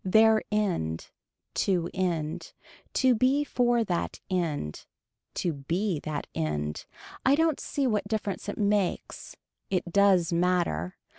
Their end. To end. To be for that end. To be that end. I don't see what difference it makes It does matter.